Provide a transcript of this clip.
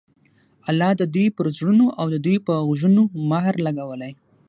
الله د دوى پر زړونو او د دوى په غوږونو مهر لګولى